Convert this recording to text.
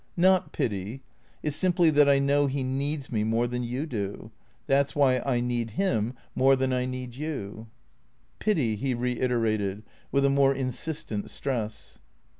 Not pity. It 's simply that I know he needs me more than you do. That 's why I need him more than I need you." " Pity/' he reiterated, with a more insistent stress.